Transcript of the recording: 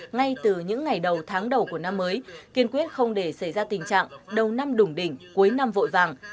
ngay từ những ngày đầu tháng đầu của năm mới kiên quyết không để xảy ra tình trạng đầu năm đủng đỉnh cuối năm vội vàng